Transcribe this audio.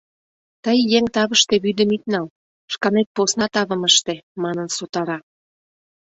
— Тый еҥ тавыште вӱдым ит нал, шканет посна тавым ыште, — манын сотара.